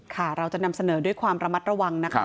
ค่ะเราจะนำเสนอด้วยความระมัดระวังนะคะ